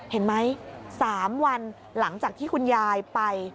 เห็นไหม๓วันหลังจากที่คุณยายไป